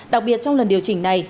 đặc biệt trong lần điều chỉnh này